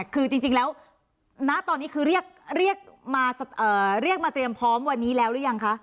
คือจริงแล้วณตอนนี้คือเรียกมาเตรียมพร้อมวันนี้แล้วหรือยังคะ